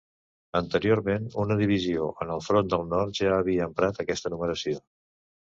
Anteriorment una divisió en el front del Nord ja havia emprat aquesta numeració.